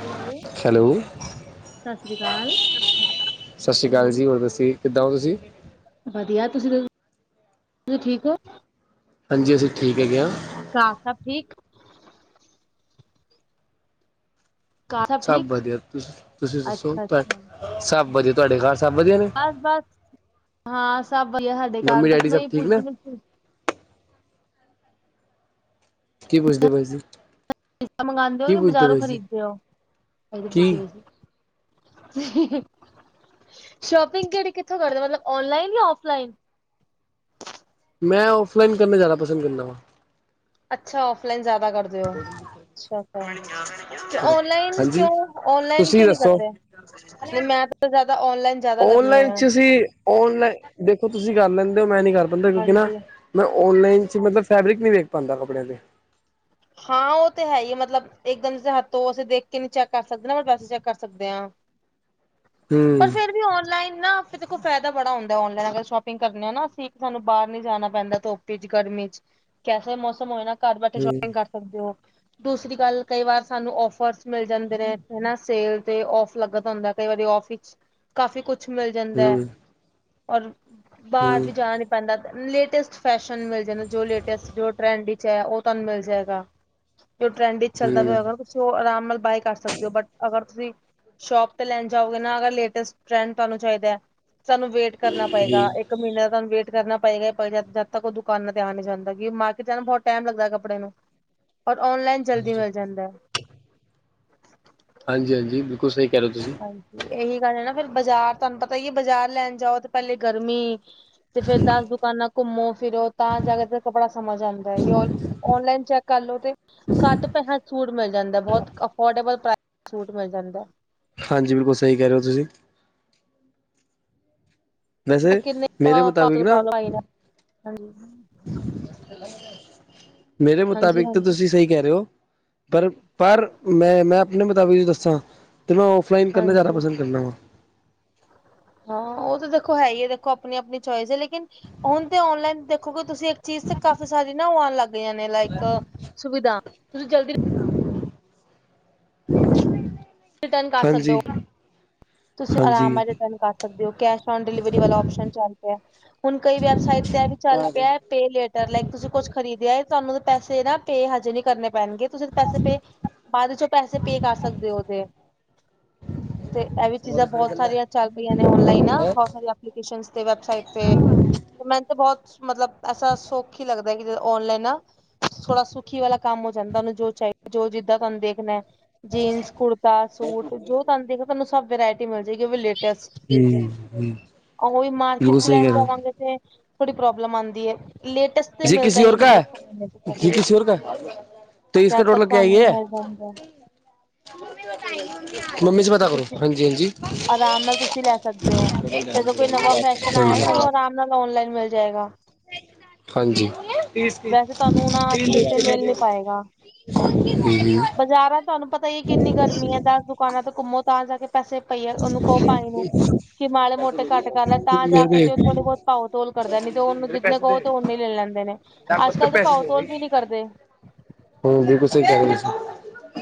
Hello hello ਸਤਿ ਸ਼੍ਰੀ ਅਕਾਲ ਸਤਿ ਸ੍ਰੀ ਅਕਾਲ ਜੀ ਹੋਰ ਦੱਸੋ ਕਿੱਦਾਂ ਹੋ ਤੁਸੀਂ ਵਧੀਆ ਤੁਸੀਂ ਦੱਸੋ ਤੁਸੀਂ ਠੀਕ ਓ ਹਾਂਜੀ ਅਸੀਂ ਠੀਕ ਹੈਗੇ ਆ ਘਰ ਸਭ ਠੀਕ ਘਰ ਸਭ ਠੀਕ? ਵਧੀਆ ਤੁਸੀ ਤੁਸੀਂ ਦੱਸੋ ਅੱਛਾ ਤੁ ਅੱਛਾ। ਸਭ ਵਧੀਆ ਤੁਹਾਡੇ ਘਰ ਸਭ ਵਧੀਆ ਨੇ ਬਸ ਬਸ ਹਾਂ ਸਭ ਵਧੀਆ ਸਾਡੇ ਘਰ ਮੰਮੀ ਬਸ ਡੈਡੀ ਮੈਂ ਸਭ ਇਹੀ ਠੀਕ ਪੁਛ ਨੇ ਕੀ ਪੁੱਛਦੇ ਪਏ ਸੀ ਪਿੱਜ਼ਾਂ ਮੰਗਵਾਉਦੇ ਹੋ ਜਾਂ ਪੁੱਛਦੇ ਬਜ਼ਾਰੋਂ ਪਏ ਸੀ ਖਰੀਦਦੇ ਹੋ ਕੀ ਇਹਦੇ ਸ਼ੋਪਿੰਗ ਕਿਹੜੀ ਕਿੱਥੋਂ ਕਰਦੇ ਓ ਮਤਲਬ ਔਨਲਾਈਨ ਯਾ ਔਫਲਾਈਨ ਮੈਂ ਔਫਲਾਈਨ ਕਰਨਾ ਜ਼ਾਣਾ ਪਸੰਦ ਕਰਦਾ ਵਾਂ ਅੱਛਾ ਔਫਲਾਈਨ ਜਿਆਦਾ ਕਰਦੇ ਓ ਅੱਛਾ ਤੇ ਕਰੋ ਔਨਲਾਈਨ ਹਾਂਜੀ ਕਿਉਂ ਔਨਲਾਈਨ ਤੁਸੀਂ ਕਿਉਂ ਨੀ ਦੱਸੋ ਕਰਦੇ ਮੈਂ ਤਾਂ ਜ਼ਾਦਾ ਤਾਂ ਔਨਲਾਈਨ ਜਦ ਔਨਲਾਈਨ ਚ ਅਸੀਂ ਔਨਲਾਈਨ ਦੇਖੋ ਤੁਸੀਂ ਕਰ ਲੈਂਦੇ ਓ ਮੈਂ ਨੀਂ ਕਰ ਪਾਂਦਾ ਕਿਉਂਕਿ ਨਾ ਹਾਂਜੀ। ਮੈਂ ਔਨਲਾਈਨ 'ਚ ਮਤਲਬ ਫੈਬਿ੍ਕ ਨੀਂ ਵੇਖ ਪਾਂਦਾ ਕੱਪੜਿਆਂ ਦੇ ਹਾਂ ਉਹ ਤੇ ਹੈ ਈ ਐ ਮਤਲਬ ਇੱਕਦਮ ਤੁਸੀਂ ਹੱਥੋਂ ਅਸੀਂ ਦੇਖ ਕੇ ਨੀ ਚੈੱਕ ਕਰ ਸਕਦੇ ਨਾ ਬ ਵੈਸੇ ਚੈੱਕ ਕਰ ਸਕਦੇ ਆ ਪਰ ਹਮ ਫਿਰ ਵੀ ਔਨਲਾਈਨ ਨਾ ਫ ਦੇਖੋ ਫਾਇਦਾ ਬੜਾ ਹੁੰਦਾ ਔਨਲਾਈਨ ਅਗਰ ਸ਼ੋਪਿੰਗ ਕਰਨੀ ਆ ਨਾ ਅਸੀਂ ਸਾਨੂੰ ਬਾਹਰ ਨੀ ਜਾਣਾ ਪੈਂਦਾ ਧੁੱਪ ਚ ਗਰਮੀ ਚ ਕੈਸਾ ਮੌਸਮ ਹੋਏ ਨਾ ਘਰ ਬੈਠੇ ਹਮ ਸ਼ੋਪਿੰਗ ਕਰ ਸਕਦੇ ਓ ਦੂਸਰੀ ਗੱਲ ਕਈ ਵਾਰ ਸਾਨੂੰ ਓਫਰਸ ਮਿਲ ਜਾਂਦੇ ਨੇ ਹਨਾ ਸੇਲ ਤੇ ਓਫ ਲੱਗਾ ਦਾ ਹੁੰਦਾ ਕਈ ਵਾਰੀ ਆਫ ਵਿਚ ਕਾਫੀ ਕੁਛ ਮਿਲ ਜਾਂਦਾ ਹੈ ਹਮ ਔਰ ਬਾਹਰ ਹਮ ਵੀ ਜਾਣ ਨ ਪੈਂਦਾ ਲੇਟੈਸਟ ਫੈਸ਼ਨ ਮਿਲ ਜਾਂਦਾ ਜੋ ਲੇਟੈਸਟ ਜੋ ਟਰੈਂਡ ਵਿੱਚ ਹੈ ਉਹ ਤੁਹਾਨੂੰ ਮਿਲ ਏਗਾ ਜੋ ਟਰੈਂਡ ਵਿੱਚ ਚੱਲਦਾ ਪਿਆ ਹਮ ਹੋਏਗਾ ਤੁਸੀਂ ਉਹ ਆਰਾਮ ਨਾਲ ਬਾਏ ਕਰ ਸਕਦੇ ਹੋ ਬਟ ਅਗਰ ਤੁਸੀਂ ਸ਼ੋਪ ਤੇ ਲੈਣ ਜਾਓਗੇ ਨਾ ਅਗਰ ਲੇਟਸਟ ਟੈ੍ਡਂ ਤੁਹਾਨੂੰ ਚਾਹੀਦਾ ਸਾਨੂੰ ਵੇਟ ਕਰਨਾ ਪਏਗਾ ਹਮ ਇਕ ਮਹੀਨੇ ਦਾ ਤੁਹਾਨੂੰ ਵੇਟ ਕਰਨਾ ਪਏਗਾ ਹੀ ਪਏਗਾ ਜਦ ਤਕ ਉਹ ਦੁਕਾਨਾਂ ਤੇ ਆ ਨਹੀ ਜਾਂਦਾ ਕਿ ਮਾਰਕੀਟ ਜਾਣ ਬਹੁਤ ਟਾਈਮ ਲੱਗਦਾ ਕੱਪੜੇ ਨੂੰ ਔਰ ਆਨਲਾਈਨ ਜਲਦੀ ਹਾਂਜੀ ਮਿਲ ਜਾਂਦਾ ਹਾਂਜੀ ਹਾਂਜੀ ਬਿਲਕੁਲ ਸਹੀ ਕਹਿ ਰਹੇ ਹੋ ਤੁਸੀਂ ਇਹੀ ਗੱਲ ਹੈ ਨਾ ਫਿਰ ਬਾਜ਼ਾਰ ਤੁਹਾਨੂੰ ਪਤਾ ਈ ਆ ਬਾਜ਼ਾਰ ਲੈਣ ਜਾਓ ਤੇ ਪਹਿਲੇ ਗਰਮੀ ਤੇ ਫਿਰ ਦੱਸ ਦੁਕਾਨਾਂ ਘੁੰਮੋ ਫਿਰੋ ਤਾਂ ਜਾ ਕੇ ਕੱਪੜਾ ਸਮਝ ਆਉਂਦਾ ਓਨਲਾਈਨ ਚੈੱਕ ਕਰ ਲਓ ਤੇ ਘਦ ਪੈਸਿਆਂ ਚ ਸੂਟ ਮਿਲ ਜਾਂਦਾ ਬਹੁਤ ਅਫੋਰਡੇਬਲ ਪ੍ਰਾਈਸ ਵਿੱਚ ਸੂਟ ਮਿਲ ਜਾਂਦਾ ਹਾਂਜੀ ਬਿਲਕੁਲ ਸਹੀ ਕਹਿ ਰਹੇ ਹੋ ਤੁਸੀਂ ਵੈਸੇ ਕਿੰਨੇ ਮੇਰੇ ਮੁਤਾਬਿਕ ਪਾਤਲ ਨਾ ਪਾਗਲ ਆਏ ਨੇ ਹਾਂਜੀ ਮੇਰੇ ਹਾਂਜੀ ਮੁਤਾਬਿਕ ਤਾਂ ਹਾਂਜੀ ਤੁਸੀਂ ਸਹੀ ਕਹਿ ਰਹੇ ਹੋ ਪਰ ਪਰ ਮੈਂ ਆਪਣੇ ਮੁਤਾਬਿਕ ਦੱਸਾ ਤਾਂ ਮੈਂ ਆਫਲਾਈਨ ਕਰਨਾ ਜਿਆਦਾ ਹਾਂਜੀ ਪਸੰਦ ਕਰਨਾ ਵਾ। ਹਾਂ ਹਾਂ ਉਹ ਤਾਂ ਦੇਖੋ ਹੈ ਹੀ ਦੇਖੋ ਆਪਣੀ ਆਪਣੀ ਚੋਇਸ ਲੇਕਿਨ ਹੁਣ ਤੇ ਆਨਲਾਈਨ ਕਿਉਂਕਿ ਤੁਸੀਂ ਇੱਕ ਚੀਜ਼ ਤੇ ਕਾਫੀ ਸਾਰੀ ਨਾ ਉਹ ਆਉਣ ਲੱਗ ਜਾਂਦੇ ਨੇ ਲਾਈਕ ਸੁਵਿਧਾ ਤੁਸੀਂ ਜਲਦੀ ਰਿਟਰਨ ਕਰ ਸਕਦੇ ਹੋ ਹਾਂਜੀ ਤੁਸੀਂ ਆਰਾਮ ਹਾਂਜੀ ਵਾਲੇ ਦਿਨ ਕਰ ਸਕਦੇ ਓ, ਕੈਸ਼ ਔਨ ਡਿਲੀਵਰੀ ਵਾਲਾ ਆਪਸ਼ਨ ਚਲ ਪਿਆ। ਹੁਣ ਕਈ ਵੈਬਸਾਈਟ ਤੇ ਐ ਵੀ ਚੱਲ ਹਮ ਪਿਆ ਪੇ ਲੇਟਰ, ਲਾਈਕ ਤੁਸੀਂ ਕੁਝ ਖ਼ਰੀਦਿਆ ਏ, ਤੁਹਾਨੂੰ ਪੈਸੇ ਨਾ ਪੇ ਹਜੇ ਨਹੀਂ ਕਰਨੇ ਪੈਣਗੇ ਤੁਸੀਂ ਉਹਦੇ ਪੈਸੇ ਪੇ, ਬਾਅਦ 'ਚ ਪੈਸੇ ਪੇ ਕਰ ਸਕਦੇ ਓਦੇ। ਐਹ ਵੀ ਚੀਜ਼ਾਂ ਬਹੁਤ ਸਾਰੀਆਂ ਚੱਲ ਪਈਆਂ ਨੇ, ਔਨਲਾਈਨ ਬਹੁਤ ਐਪਲੀਕੇਸ਼ਨ ਤੇ, ਵੈਬਸਾਈਟ ਤੇ ਤੇ ਮੈਨੂੰ ਤਾਂ ਬਹੁਤ ਮਤਲਬ, ਐਸਾ ਸੁੱਖ ਈ ਲੱਗਦਾ ਕਿ ਔਨਲਾਈਨ ਨਾ। ਥੋੜਾ ਕੀ ਵਾਲਾ ਕੰਮ ਹੋ ਜਾਂਦਾ, ਜੋ ਚਾਹੀ, ਜੋ ਜਿੱਦਾਂ ਤੁਹਾਨੂੰ ਦੇਖਨਾ ਜੀਂਨਸ, ਕੁੜਤਾ, ਸੂਟ ਜੋ ਤੁਹਾਨੂੰ ਦੇਖ ਪਹਿਲੇ ਸਭ ਵਰੈਟੀ ਮਿਲਜੇਗੀ, ਉਹ ਵੀ ਲੇਟੈਸਟ। ਉਹੀ ਮਾਰਕੀਟ ਬਿਲਕੁਲ 'ਚ ਲੈਣ ਜਾਵਾਂਗੇ ਤੇ ਬੜੀ ਪ੍ਰੋਬਲਮ ਆਂਦੀ ਏ। ਲੇਟੈਸਟ ਤੇ ਮਿਲਦਾ ਈ ਨੀਗਾ ਸ਼ੋਰੂਮ 'ਚ ਪਹਿਲੇ। ਜਦ ਤੱਕ ਤੁਹਾਨੂੰ ਉਹ ਮਿਲ਼ ਜਾਂਦਾ। ਮੰਮੀ ਸੇ ਪਤਾ ਕਰੋ, ਤੁਸੀਂ ਹਾਂਜੀ-ਹਾਂਜੀ। ਆਰਾਮ ਨਾਲ ਤੁਸੀਂ ਲੈ ਸਕਦੇ ਹੋ [unintelligible] ਹਾਂਜੀ। ਨਲ ਔਨਲਾਈਨ ਮਿਲ ਜਾਏਗਾ। ਹਾਂਜੀ। ਤੀਸ ਪੀ, ਵੈਸੇ ਤੁਹਾਨੂੰ ਨਾ ਅੱਛੇ ਸੇ ਕਿੰਨੇ ਮਿਲ ਦੇ ਨੀ ਪਾਏਗਾ। [unintelligible] ਬਾਜ਼ਾਰਾਂ ਤੁਹਾਨੂੰ ਪਤਾ ਈ ਏ, ਕਿੰਨੀ ਗਰਮੀ ਐ, ਦੱਸ ਦੁਕਾਨਾਂ ਤੋਂ ਘੁੰਮੋ ਤਾਂ ਜਾਕੇ ਪੈਸੇ ਭਾਈ ਯਾਰ, ਉਹਨੂੰ ਕਹੋ ਭਾਈ ਨੂੰ, ਕਿ ਮਾੜੇ-ਮੋਟੇ ਘੱਟ ਕਰਲਾ ਤਾਂ ਜਾਕੇ ਤੇ ਉਹ ਥੋੜੇ ਬਹੁਤ ਭਾਓ-ਤੋਲ ਕਰਦਾ, ਨਹੀਂ ਤੇ ਉਹਨੂੰ ਜਿਤਨੇ ਕਹੋ ਤੇ ਉਨੇ ਈ ਲੈ ਲੈਂਦੇ ਨੇ। ਅੱਜ-ਕੱਲ੍ਹ ਤਾਂ ਭਾਓ-ਤੋਲ ਵੀ ਨੀ ਕਰਦੇ। ਹਾਂਜੀ, ਤੁਸੀਂ [unintelligible]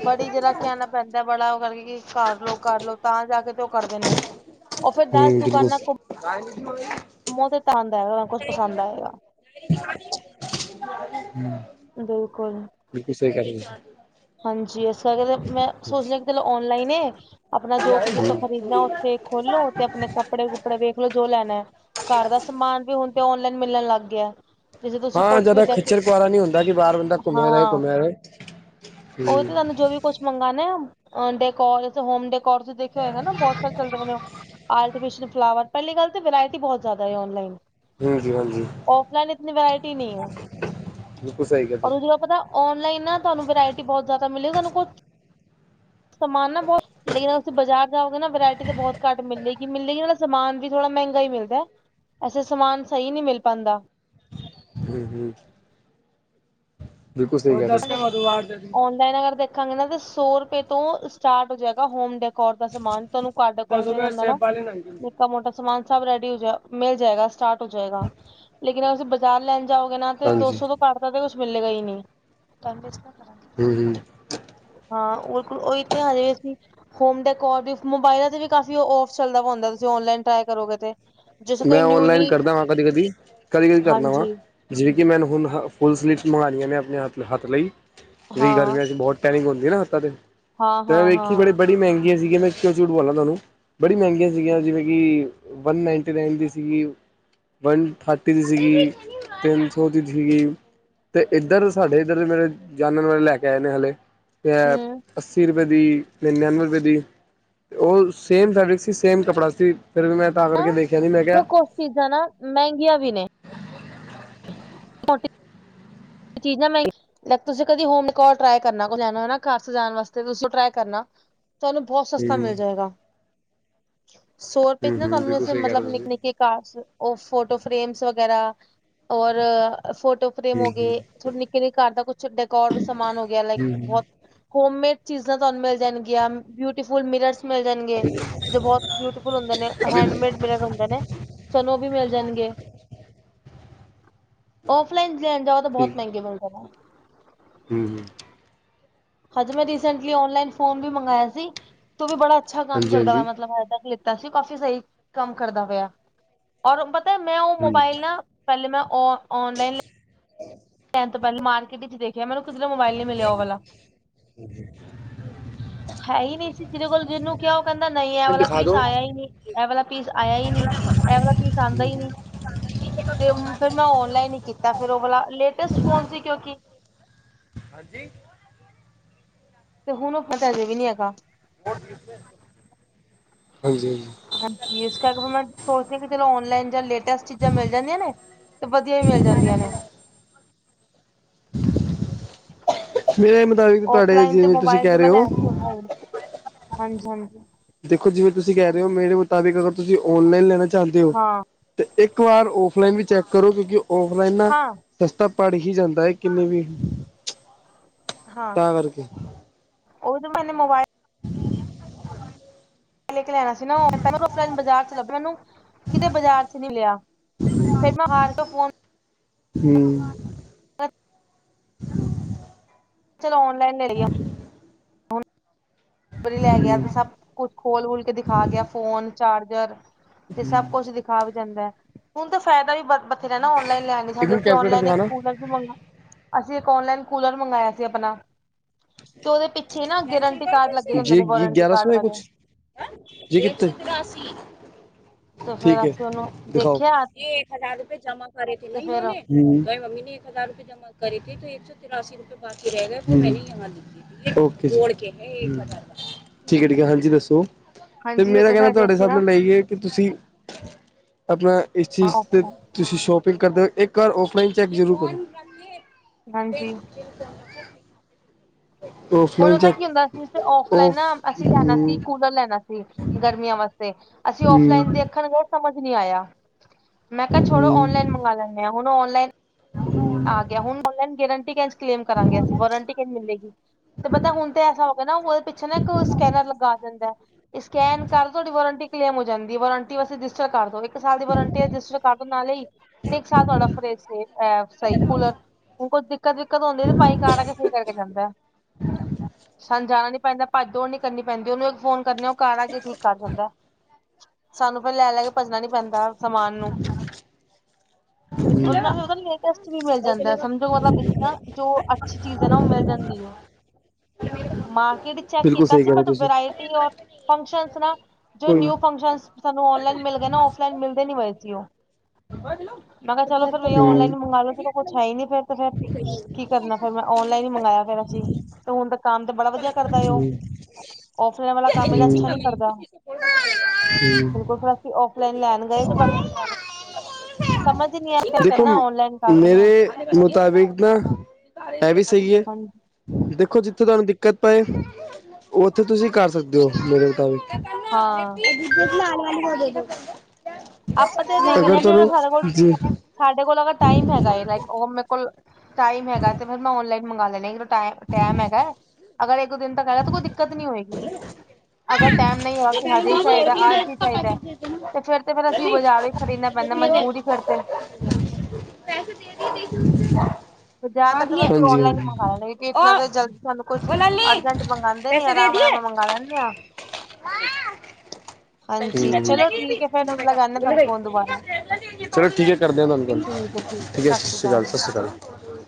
ਬੜੀ ਜਰਾ ਕਹਿਣਾ ਪੈਂਦਾ, ਬੜਾ ਓ ਕਰਕੇ ਕਿ ਸਾਰ ਲੋ, ਕਰ ਲੋ ਤਾਂ ਜਾ ਕੇ ਤੇ ਉਹ ਕਰਦੇ ਨੇ। ਉਹ ਫੇਰ ਦਸ ਹੂੰ, ਬਿਲਕੁਲ ਸ ਮੋਹ ਦੇ ਤੰਦ ਐ, ਅਗਰ ਕੁਛ ਪਸੰਦ ਆਏਗਾ। [unintelligible] ਹੂੰ ਬਿਲਕੁਲ। ਵੀ ਕਿਸੇ ਹਾਂਜੀ, ਇਸ ਕਰਕੇ ਮੈਂ ਸੋਚ ਲਿਆ ਕਿ ਚਲੋ, ਔਨਲਾਈਨ ਏ ਆਪਣਾ ਜੋ ਕੁਝ ਇਥੋਂ ਖਰੀਦਣਾ ਉੱਥੇ ਖੋਲੋ ਤੇ ਆਪਣੇ ਕੱਪੜੇ ਕਪੜੇ ਵੇਖ ਲਓ ਜੋ ਲੈਣਾ, ਘਾਰ ਦਾ ਸਮਾਨ ਵੀ ਹੁਣ ਤੇ ਔਨਲਾਈਨ ਮਿਲਣ ਲੱਗਿਆ। ਹਾਂ ਜ਼ਿਆਦਾ ਖਿੱਚਰ-ਖੁਆਰਾ ਨੀ ਹੁੰਦਾ ਕਿ ਬਾਹਰ ਬੰਦਾ ਹਾਂ ਘੁੰਮਿਆ ਰਹੇ, ਘੁੰਮਿਆ ਰਹੇ। ਉਹ ਹਮ ਤੇ ਤੁਹਾਨੂੰ ਜੋ ਵੀ ਕੁਝ ਮੰਗਾਣੇ, ਉਂਦੇ ਕੋਲ਼ ਹੋਮ ਦੇ ਔਰ ਤੁਸੀਂ ਦੇਖਿਆ ਹੋਇਗਾ ਨਾ, ਬਹੁਤ ਸਾਲ ਚੱਲਦੇ ਨੇ ਉਹ ਆਰਟੀਫਿਸ਼ਲ ਫਲਾਵਰ। ਪਹਿਲੀ ਗੱਲ ਤੇ ਵਰਾਇਟੀ ਬਹੁਤ ਜ਼ਾਦਾ ਏ ਔਨਲਾਈਨ। ਹਾਂਜੀ ਹਾਂਜੀ ਔਫਲਾਈਨ ਇਤਨੀ ਵਰਾਇਟੀ ਨੀ ਐ, ਬਿਲਕੁਲ ਸਹੀ ਕਿਹਾ ਔਰ ਉਹ ਤੁਸੀਂ ਜ ਪਤਾ ਔਨਲਾਈਨ ਨਾ ਤੁਹਾਨੂੰ ਵਰਾਇਟੀ ਬਹੁਤ ਜ਼ਿਆਦਾ ਮਿਲੀ, ਤੁਹਾਨੂੰ ਕੁਛ ਸਮਾਨ ਨਾ ਬਹੁਤ, ਲੇਕਿਨ ਅਸੀਂ ਬਾਜ਼ਾਰ ਜਾਵਾਂਗੇ ਨਾ, ਵਰਾਇਟੀ ਤੇ ਬਹੁਤ ਘੱਟ ਮਿਲੇਗੀ-ਮਿਲੇਲੀ ਮਤ ਸਮਾਨ ਵੀ ਥੋੜਾ ਮਹਿੰਗਾ ਈ ਮਿਲਦਾ, ਐਸੇ ਸਮਾਨ ਸਹੀ ਨੀ ਮਿਲ ਪਾਂਦਾ। ਜੀ-ਜੀ, ਬਿਲਕੁਲ ਸਹੀ ਗੱਲ। ਮੈ ਨਗਰ ਦੇ ਖਾਂਗੇ ਨਾ ਕੀ, ਸੌ ਰੁਪਏ ਤੋਂ ਇਸਟਾਟ ਹੋ ਜਾਏਗਾ ਹੋਮ ਡੈਕ ਘਾਰ ਦਾ ਸਮਾਨ, ਤੁਹਾਨੂੰ ਘਾਰ ਤਾ ਪਹੁੰਚ ਈ ਜਾਂਦਾ ਨਾ, ਨਿੱਕਾ ਮੋਟਾ ਸਮਾਨ ਸਭ ਰੈਡੀ ਹੋ ਜਾਏ, ਮਿਲ ਜਾਏਗਾ ਸਟਾਟ ਹੋ ਜਾਏਗਾ, ਲੇਕਿਨ ਅਸੀਂ ਬਾਜ਼ਾਰ ਲੈਣ ਜਾਓਗੇ ਨਾ ਤੇ ਦੋ ਹਾਂਜੀ ਸੋ ਤੋਂ ਘੱਟ ਤਾਂ ਕੁਛ ਮਿਲੇਗਾ ਈ ਨਹੀਂ। ਹਮ ਹਮ ਹਾਂ ਉ ਇਕ, ਉਹੀ ਤੇ ਹਲੇ ਅਸੀ‌‌ ਹੁਨ ਦੇਖੋ, ਇਸ ਮੋਬਾਈਲਾਂ ਤੇ ਵੀ ਕਾਫੀ ਔਫ ਚੱਲਦਾ ਹੁੰਦਾ, ਤੁਸੀਂ ਆਨਲਾਈਨ ਟਰਾਈ ਕਰੋਗੇ ਤੇ। ਜੈਸੇ ਕੋਈ ਮੈਂ ਨਿਊਲੀ ਔਨਲਾਈਨ ਕਰਦਾ ਵਾਂ, ਕਦੀ-ਕਦੀ, ਕਦੀ -ਕਦੀ ਕਰਨਾ ਵਾਂ। ਹਾਂਜੀ ਜਿਵੇਂ ਕਿ ਮੈਨੂੰ ਹੁਣ ਫੁੱਲ ਸਲੀਵ ਮੰਗਉਣੀਆਂ, ਮੈਂ ਆਪਣੇ ਹੱਥ-ਹੱਥ ਲਈ, ਜਿ ਹਾਂ ਗਰਮੀਆਂ ਚ ਬਹੁਤ ਟੈਨਿੰਗਹੋਂਦੀ ਏ ਨਾ ਹੱਥਾਂ ਤੇ, ਹਾਂ ਮੈਂ ਹਾਂ ਵੇਖੀ ਹਾਂ ਬੜੀ-ਬੜੀ ਮਹਿੰਗੀ। ਕਿਆ ਸੀ ਕੀਆ, ਮੈਂ ਕਿਉਂ ਝੂਠ ਬੋਲਾਂ ਤੁਹਾਨੂੰ, ਬੜੀ ਮਹਿੰਗੀਆਂ ਸੀਗੀਆਂ ਜਿਵੇਂ ਕਿ ਵਨ ਨਈਂਟੀ ਨਨ ਦੀ ਸੀਗੀ, ਵਨ ਥਾਰਟੀ ਦੀ ਸੀਗੀ, ਤਿੰਨ ਸੌ ਦੀ ਸੀਗੀ ਤੇ ਇੱਧਰ ਸਾਡੇ ਇੱਧਰ, ਮੇਰੇ ਜਾਨਣ ਵਾਲੇ ਲੈ ਕੇ ਆਏ ਨੇ ਹਲੇ ਤੇ, ਹੂੰ ਅੱਸੀ ਰੁਪਏ ਦੀ, ਨਨਵੇਂ ਰੁਪਏ ਦੀ, ਉਹ ਸੇਮ ਫੈਬ੍ਰਿਕ ਸੀ, ਸੇਮ ਕੱੜਾ ਸੀ, ਫਿਰ ਵੀ ਮੈਂ ਤਾਂ ਕਰਕੇ ਦੇਖਿਆ ਨੀ ਮੈਂ ਕਿਹਾ ਕੁਛ ਚੀਜ਼ਾਂ ਨਾ ਮਹਿੰਗੀਆਂ ਵੀ ਨੇ। ਚੀਜ਼ ਨਾ ਮਹਿੰਗੀ ਤੁਸੀਂ ਕਦੀ ਹੋਮ ਟ ਕਰਨਾ ਘਰ ਜਾਣ ਵਾਸ ਟ ਕਰਨਾ। [unintelligible] [inaudible] ਤੁਹਾਨੂੰ ਬਹੁਤ ਸਸਤਾ ਹੂੰ ਮਿਲ ਜਾਏਗਾ, ਸੌ ਰੁਪਏ ਚ ਹੂੰ ਨਾ ਹੂੰ ਤੁਹਾਨੂੰ ਬਿਲਕੁਲ ਇਸੇ ਸਹੀ ਕਹਿ ਮਤਲਬ ਰਹੇ ਹੋ ਨਿੱ ਤੁਸੀਂ ਨਿੱਕੇ ਕਾਰਸ, ਉਹ ਫੋਟੋ ਫ੍ਰੇਮਸ ਵਗੈਰਾ, ਔਰ ਫੋਟੋ ਫਰੇਮ ਹੋਗੇ ਥੋੜੇ ਨਿੱਕੇ ਨ ਘਰ ਦਾ ਕੁੱਛ ਡੈਕੋਰ ਸਮਾਨ ਹੋ ਗਿਆ, ਲਾਈਕ ਬਹੁਤ ਹੋਮੇਡ ਚੀਜ਼ਾਂ ਤੁਹਾਨੂੰ ਮਿਲ ਜਾਣਗੀਆਂ, ਬਿਊਟੀਫੁਲ ਮਿਰਰਸ ਮਿਲ ਜਾਣਗੇ, ਜੋ ਬਹੁਤ ਬਿਊਟੀਫੁਲ ਹੁੰਦੇ ਨੇ, ਅਭੀ ਹੈਂਡਮੇਡ ਮਿਲਰ ਹੁੰਦੇ ਨੇ। ਚਾਨੋ, ਉਹ ਵੀ ਮਿਲ ਜਾਣਗੇ, ਓਫਲਾਈਨ ਲੈਣ ਜਾਓ। ਬਹੁਤ ਮਹਿੰਗੇ ਬਿਲਦੇ। ਹਮ-ਹਮ। ਹਜੇ ਮੈਂ ਰੀਸੈਂਟਲੀ ਓਨਲਾਈਨ ਫੋਨ ਵੀ ਮੰਗਇਆ ਸੀ, ਤੇ ਵੀ ਬੜਾ ਅੱਛਾ ਕੰਮ ਹਾਂਜੀ ਕਰਦਾ ਵਾ ਹਾਂਜੀ ਮਤਲਬ ਹਜ ਕ। ਤਾਂਸੀਂ ਕਾਫੀ ਸਹੀ ਕੰਮ ਕਰਦਾ ਹੋਇਆ, ਔਰ ਪਤਾ ਮੈਂ ਉਹ ਮੋਬਾਇਲ ਨਾ ਪਹਿਲੇ ਮੈਂ ਔਨ ਔਨਲਾਈਨ ਲੈਣ ਤੋਂ ਪਹਿਲਾਂ ਮਾਰਕੀਟ ਵਿਚ ਦੇਖਿਆ, ਮੈਨੂੰ ਕਿਧਰੇ ਮੋਬਾਇਲ ਨੀ ਮਿਲਿਆ, ਉਹ ਵਾਲਾ। ਇੱਕ ਹੈ ਹੀ ਨਹੀਂ ਸੀ, ਜਿਹਦੇ ਕੋਲ ਜਿਹਨੂੰ ਕਿਹਾ, ਉਹ ਕਹਿੰਦਾ ਨਹੀਂ, ਇਹ ਮਿੰਟ ਵਾਲਾ ਦਿਖਾ ਪੀਸ ਦੋ ਆਇਆ ਹੀ ਨਹੀਂ। ਇਹ ਵਾਲਾ ਪੀਸ ਆਇਆ ਹੀ ਨਹੀਂ, ਇਹ ਵਾਲਾ ਪੀਸ ਆਉਂਦਾ ਹੀ ਹਾਂਜੀ ਨਹੀਂ। ਤੇ ਹੁਨ ਫਿਰ ਮੈਂ ਓਨਲਾਈਨ ਹੀ ਕੀਤਾ, ਫਿਰ ਉਹ ਵਾਲਾ, ਲੇਟੈਸਟ ਫੋਨ ਸੀ ਕਿਉਂਕਿ ਹਾਂਜੀ। ਤੇ ਹੁਣ ਉਹ ਫਤਾ, ਅਜੇ ਵੀ ਨਹੀਂ ਹੈਗਾ। ਹਾਂਜੀ-ਹਾਂਜੀ। ਹਾਂਜੀ, ਇਸ ਕਰਕੇ ਮੈਂ ਸੋਚਦੀ ਹ, ਕਿ ਚਲੋ ਔਨਲਾਈਨ ਜਾਂ ਲੇਟ ਦਸ ਚੀਜ਼ਾਂ ਮਿਲ ਜਾਂਦੀਆਂ ਨੇ, ਤੇ ਵਧੀਆ ਹੀ ਮਿਲ ਜਾਂਦੀਆਂ ਨੇ। ਮੇਰੇ ਮੁਤਾਬਿਕ ਤੁਹਾਡੇ, ਜਿਵੇਂ ਤੁਸੀਂ ਕਹਿ ਰਹੇ ਹੋ ਹਾਂਜੀ-ਹਾਂਜੀ। ਦੇਖੋ ਜਿਵੇਂ ਤੁਸੀਂ ਕਹਿ ਰਹੇ ਹੋ, ਮੇਰੇ ਮੁਤਾਬਿਕ ਅਗਰ ਤੁਸੀਂ ਓਨਲਾਈਨ ਲੈਣਾ ਚਾਹੁੰਦੇ ਹੋ। ਹਾਂ ਤੇ ਇੱਕ ਵਾਰ ਔਫਲਾਈਨ ਵੀ ਚੈੱਕ ਕਰੋ, ਕਿਉਂਕਿ ਔਫਲਾਈਨ ਨਾ। ਹਾਂ ਸਸਤਾ ਪੜ ਹੀ ਜਾਂਦਾ ਹੈ, ਕਿੰਨੇ ਵੀ ਹਾਂ, ਤਾਂ ਕਰਕੇ ਉਹਦ ਮੈਨੇ ਮੋਬਾਇਲ ਹ। ਕੇ ਲੈਣਾ ਸੀ ਨਾ ਨੂੰ ਰ ਬਾਜ਼ਾਰ ਚ ਲੱਭਿਆ ਮੈਨੂੰ, ਕਿਤੇ ਬਾਜ਼ਾਰ ਚ ਨੀ ਲਿਆ। ਫੇਰ ਮੈਂ ਹਣ ਤੋਂ ਫੋਨ। ਹਮ। ਅੱ। ਚਲੋ ਔਨਲਾਈਨ ਮਿਲ ਗਿਆ। [inaudible] [inaudible] ਲੈ ਗਿਆ ਤੇ ਸਭ ਕੁਛ ਖੋਲ ਖੋਲ ਕੇ ਦਿਖਾ ਗਿਆ ਫੋਨ ਚਾਰਜਰ ਤੇ ਸਬ ਕੁਛ ਆ ਵੀ ਜਾਂਦਾ ਹੁਣ ਤਾਂ ਫਾਇਦਾ ਵੀ ਬਥੇਰਾ ਨਾ ਔਨਲਾਈਨ ਲੈਣ ਦੇ ਇੱਕ ਹਜੇ ਮਿੰਟ ਅਸੀਂ ਕੈਲਕੂਲੇਟਰ ਔਨਲਾਈਨ ਦਿਖਾ ਚ ਨਾ ਕੂਲਰ ਅਸੀਂ ਇੱਕ ਔਨਲਾਈਨ ਕੂਲਰ ਮੰਗਵਾਆ ਸੀ ਆਪਣਾ। ਤੇ ਉਹਦੇ ਪਿੱਛੇ ਨਾ ਗਰੰਟੀ। ਕਾਰਡ ਲੱਗੇ ਹੁੰਦੇ ਜੀ ਨੇ ਜੀ ਵਾਰੰਟੀ ਗਿਆਰਾਂ ਕਾਰਡ ਸੌ ਹੈ ਵਾਲੇ ਕੁਛ ਜੀ ਕਿੱਥੇ ਤੇ ਠੀਕ ਫੇਰ ਹੈ ਅਸੀਂ ਉਹਨੂੰ ਦਿਖਾਓ ਦੇਖਿਆ ਇਹ ਇੱਕ ਹਜ਼ਾਰ ਰੁਪਏ ਜਮ੍ਹਾਂ ਕਰੇ ਥੇ ਨਾ ਤੇ ਇਨੋ ਫੇਰ ਨੇ ਆਈ ਮੰਮੀ ਨੇ ਇੱਕ ਹਜ਼ਾਰ ਰੁਪਏ ਜਮ੍ਹਾਂ ਕਰੇੀ ਤੇ ਇੱਕ ਸੌ ਤਿਰਾਸੀ ਰੁਪਏ ਬਾਕੀ ਰਹਿ ਗਏ ਉਹੋ ਮੈਂ ਨਹਾ ਦੀ। ਓਕ ਸਰ ਠੀਕ ਹੈ ਠੀਕ ਹੈ ਹਾਂਜੀ ਦੱਸੋ ਤੇ ਹਾਂਜੀ ਮੇਰਾ ਕਹਿਣਾ ਸਾਡੇ ਤੁਹਾਡੇ ਅਸੀਂ ਹਿਸਾਬ ਨਾ ਨਾਲ ਲਾਈਏ ਕਿ ਤੁਸੀਂ ਆਪਣਾ ਇਸ ਚੀਜ਼ ਤੇ ਤੁਸੀਂ ਸ਼ੋਪਿੰਗ ਕਰਦੇ ਹੋ ਇੱਕ ਘਰ ਔਫਲਾਈਨ ਚੈੱਕ ਜ਼ਰੂਰ ਕਰੋ। ਹਾਂਜੀ। ਹੁਣ ਔਫਲਾਈਨ ਉਹ ਤਾਂ ਕੀ ਚੈੱਕ ਹੁੰਦਾ ਸੀ ਔਫਲਾਈਨ ਨਾ ਔਫ ਅਸੀਂ ਲੈਣਾ ਸੀ ਹੂੰ ਕੂਲਰ ਲੈਣਾ ਸੀ। ਗਰਮੀਆਂ ਵਾਸਤੇ ਅਸੀਂ ਔਫ ਲਾਈਨ ਹੂੰ ਦੇਖਣਗੇ ਸਮਝ ਨੀ ਆਇਆ। ਮੈਂ ਕਿਹਾ ਛੋੜੋ ਔਨਲਾਈਨ ਹੂੰ ਮੰਗਵਾ ਲੈਂਦੇ ਹਾਂ ਹੁਣ ਓਹ ਔਨਲਾਈਨ। ਆ ਗਿਆ ਹੁਣ ਓਨਲਾਈਨ ਗਰੰਟੀ ਕੈਸ਼ ਕਲੇਮ ਕਰਾਂਗੇ ਅਸੀਂ ਗਰੰਟੀੰ ਮਿਲੇਗੀ। ਤੇ ਪਤਾ ਹੁਣ ਤੇ ਐਸਾ ਹੋ ਗਿਆ ਨਾ ਉਹਦੇ ਪਿੱਛੇ ਨਾ ਇੱਕ ਸਕੈਨਰ ਲਗਾ ਦਿੰਦਾ। ਸਕੈਨ ਕਰਦੋ ਤੁਹਾਡੀ ਵੋਰੰਟੀ ਕਲੇਮ ਹੋ ਜਾਂਦੀ ਹੈ ਵੋਰੰਟੀ ਵਸਤੇ ਰਜਿਸਟਰ ਕਰਦੋ ਏਕ ਇੱਕ ਸਾਲ ਦੀ ਵਾਰੰਟੀ ਹੈ ਰਜਿਸਟਰ ਕਰ ਦੋ ਨਾਲੇ ਹੀ ਤੇ ਇੱਕ ਸਾਲ ਤੁਹਾਡਾ ਫਰੇਜ਼ਇਹ ਸੇਫ ਸਹੀ ਕੂਲਰ ਹੁਣ ਕੁਛ ਦਿੱਕਤ ਦਿੱਕਤ ਹੁੰਦੀ ਤੇ ਪਾਈ ਘਰ ਆ ਕੇ ਸਹੀ ਕਰਕੇ ਜਾਂਦਾ ਸਾਨੂੰ ਜਾਣਾ ਨੀ ਪੈਂਦਾ। ਭੱਜ ਦੋੜ ਨੀ ਕਰਨੀ ਪੈਂਦੀ ਉਹਨੂੰ ਇਕ ਫੋਨੇ ਕਰਨੇ ਅ ਉਹ ਘਰ ਆ ਕੇ ਠੀਕ ਕਰ ਦਿੰਦਾ। ਸਾਨੂੰ ਪੇ ਲੈ ਲੈ ਕੇ ਭੱਜਣਾ ਨੀ ਪੈਂਦਾ। ਸਮਾਨ ਨੂੰ ਉਹਨਾਂ ਨੇ ਉਹਦਾ ਲੇਟਸਟ ਮਿਲ ਜਾਂਦਾ ਸਮਝੋ ਮਤਲਬ ਇੱਕ ਨਾ ਜੋ ਅੱਛੀ ਚੀਜ਼ ਹੈ ਨਾ ਉਹ ਮਿਲ ਜਾਂਦੀ ਹੈ। ਮਾਰਕੀਟ ਚੈੱਕ ਬਿਲਕੁਲ ਕੀਤਾ ਸਹੀ ਸੀ ਕਹਿ ਰਹੇ ਬਟ ਤੁਸੀਂ ਵਰਾਇਟੀ ਔਰ ਫੰਕਸ਼ਨ ਨਾ ਜੌ ਕੋਈ ਨੀ ਨਿਊ ਫੰਕਸਨਸ ਸਾਨੂੰ ਔਨਲਾਈਨ ਮਿਲ ਗਏ ਨਾ ਔਫਲਾਈਨ ਮਿਲਦੇ ਨੀ ਹੋਏ ਸੀ ਉਹ ਮੈਂ ਕਿਹਾ ਚਲੋ ਫਿਰ ਹੂੰ ਹੂੰ ਔਨਲਾਈਨ ਮੰਗਵਾ ਸੀ ਕੁੱਛ ਹੈ ਹੀ ਨਹੀਂ ਫਿਰ ਤੇ ਫਿਰ ਕੀ ਕਰਨਾ ਫੇਿਰ ਮੈਂ ਓਨਲਾਈਨ ਹੀ ਮੰਗਾਇਆ ਫੇਿਰ ਅਸੀਂ ਤੇ ਹੁਣ ਤਾਂ ਕੰਮ ਤੇ ਬੜਾ ਵਧੀਆ ਕਰਦਾ ਉਹ ਔਫਲਾਈਨ ਵਾਲਾ ਕੰਮ ਇਹਨੇ ਅੱਛਾ ਨਹੀਂ ਕਰਦਾ। ਹੂੰ ਹੂੰ ਬਿਲਕੁਲ ਫਿਰ ਅਸੀਂ ਫਲਾਈਨ ਲੈਣ ਗਏ ਸੀ ਬਟ ਸਮਝ ਹੀ ਨਹੀਂ ਆ ਰਿਹਾ ਕਿਵੇਂ ਦੇਖੋ ਕਰਨਾ ਔਨਲਾਈਨ। ਕਰ ਦਿੰਦੇ ਹਾਂ ਮੇਰੇ ਮੁਤਾਬਿਕ ਨਾ ਹੈ ਵੀ ਸਹੀ ਹੈ। ਹਾਂਜੀ ਦੇਖੋ ਜਿੱਥੇ ਤੁਹਾਨੂੰ ਦਿੱਕਤ ਪਏ ਉੱਥੇ ਤੁਸੀਂ ਕਰ ਸਕਦੇ ਹੋ ਮੇਰੇ ਮੁਤਾਬਿਕ। ਹਾਂ [unintelligible] ਆਪਾਂ ਤੇ ਦੇਖਦੇ ਹ ਪਰ ਉਸ ਜੀ। ਸਾਡੇ ਕੋਲ ਅਗਰ ਟਾਈਮ ਹੈਗਾ ਲਾਈਕ ਉਹ ਮੇਰੇ ਕੋਲ ਟਾਈਮ ਹੈਗਾ ਤੇ ਫਿਰ ਮੈਂ ਓਨਲਾਈਨ ਮੰਗਵਾ ਲੈਨੀ ਆ ਟ ਟਾਈਮ ਹੈਗਾ ਅਗਰ ਇੱਕੋ ਦਿਨ ਤੱਕ ਹੈਗਾ ਤਾਂ ਕੋਈ ਦਿੱਕਤ ਨੀ ਹੋਏਗੀ। ਅਗਰ ਟਾਈਮ ਨਹੀਂ ਹੈ ਕਿ ਹਜੇ ਹੀ ਚਾਹੀਦਾ ਅੱਜ ਹੀ ਚਾਹੀਦਾ ਤੇ ਫਿਰ ਤੇ ਫੇਰ ਅਸੀਂ ਬਾਜ਼ਾਰੋਂ ਖਰੀਦਣਾ ਪੈਂਦਾ ਮਜਬੂਰੀ ਹੀ ਫਿਰ ਤੇ [unintelligible] [inaudible] ਜ਼ਿਆਦਾਤਰ ਹਾਂਜੀ ਅਸੀਂ ਹਾਂਜੀ ਔਨਲਾਈਨ ਮੰਗਵਾ ਲੈਗੇ ਕੇਕ ਇਨਾ ਤਾਂ ਜਲਦੀ ਸਾਨੂੰ ਕੁਛ ਅਰਜੈਂਟ ਮੰਗਗਾਉਂਦੇ ਨੀ ਆਰਾਮ ਆਰਾਮ ਨਾਲ ਮੰਗਵਾ ਮੰਗਾ ਲੈਂਦੇ ਆਾਂ ਹਾਂਜੀ ਚਲੋ ਠੀਕ ਹੈ ਫੇਰ ਲਗਾਦੇ ਤੁਹਾਨੂੰ ਫੋਨ ਦੁਬਾਰਾ। ਚਲੋ ਠੀਕ ਹੈ ਕਰਦੇ ਹਾਂ ਤੁਹਾਨੂੰ ਗੱਲ ਠੀਕ ਹੈ ਸਤਿ ਸ਼੍ਰੀ ਅਕਾਲ ਸਤਿ ਸ਼੍ਰੀ ਅਕਾਲ।